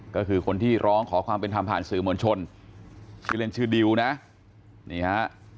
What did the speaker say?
ก็คือคนที่ร้องขอความเป็นธรรมผ่านสื่อมวลชนชื่อเล่นชื่อดิวนะนี่ฮะ